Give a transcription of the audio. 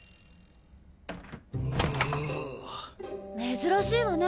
珍しいわね。